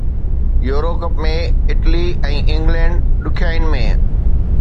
euro cup ۾ Italy ۽ England ڏکيائين ۾